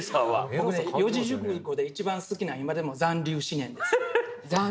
僕ね四字熟語で一番好きなのは今でも「残留思念」ですもん。